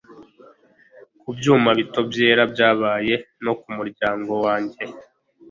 kubyuma bito byera byabaye, no kumuryango wanjye